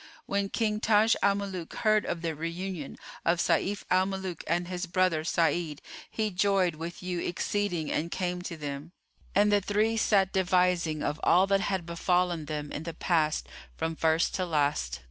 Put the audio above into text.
When King Taj al Muluk heard of the reunion of Sayf al Muluk and his brother Sa'id, he joyed with joy exceeding and came to them, and the three sat devising of all that had befallen them in the past from first to last.